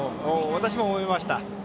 私も思いました。